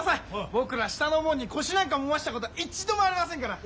僕ら下の者に腰なんかもませたことは一度もありませんから。